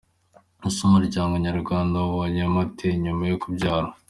Ese umuryango nyarwanda yawubayemo ate nyuma yo kubyara?.